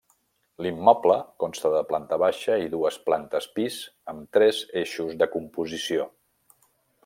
L'immoble consta de planta baixa i dues plantes pis amb tres eixos de composició.